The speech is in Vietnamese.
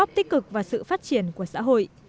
phát triển của xã hội